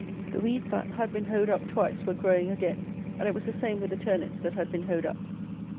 The weeds that had been hoed up twice were growing again, and it was the same with the turnips that had been hoed up.